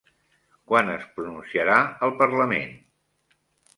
Quan es pronunciarà el parlament?